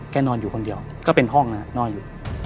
นอนอยู่คนเดียวก็เป็นห้องนอนอยู่